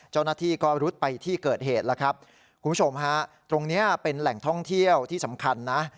เจ้าหน้าที่ก็รุดไปที่เกิดเหตุแล้วครับคุณผู้ชมฮะตรงเนี้ยเป็นแหล่งท่องเที่ยวที่สำคัญนะ